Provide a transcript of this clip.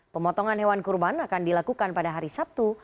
pemotongan hewan kurban akan dilakukan pada hari sabtu